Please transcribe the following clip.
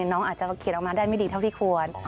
น้องอาจจะเขียนออกมาได้ไม่ดีเท่าที่ควร